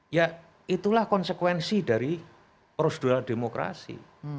ya itulah konsekuensi dari prosedural demokrasi